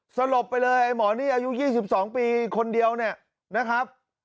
สลบไปเลยไอ้หมอนี่อายุ๒๒ปีคนเดียวเนี่ยนะครับ